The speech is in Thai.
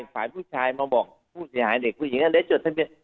ฝ่ายผู้ชายและผู้หญิงมาบอก